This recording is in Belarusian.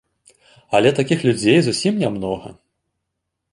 Але такіх людзей зусім нямнога.